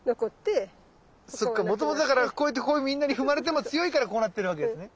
そっかもともとだからこうやってこうみんなに踏まれても強いからこうなってるわけですね。